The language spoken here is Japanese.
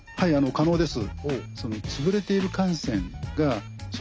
可能です。